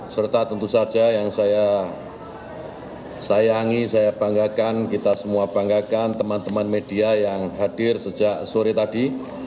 serta tentu saja yang saya sayangi saya banggakan kita semua banggakan teman teman media yang hadir sejak sore tadi